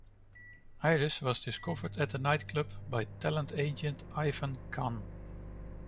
Ayres was discovered at a night club by talent agent Ivan Kahn.